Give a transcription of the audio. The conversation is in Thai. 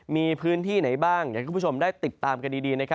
มีพื้นที่ไหนบ้างอยากให้คุณผู้ชมได้ติดตามกันดี